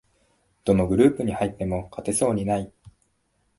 どのグループに入っても勝てそうにない